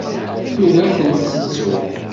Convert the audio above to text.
Tugi ad ten-tettu.